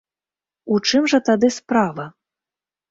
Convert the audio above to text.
У чым жа тады справа?